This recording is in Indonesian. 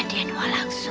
dan aku mencarimu